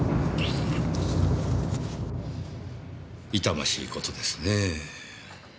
痛ましいことですねぇ。